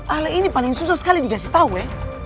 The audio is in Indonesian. alang ini paling susah sekali dikasih tahu ya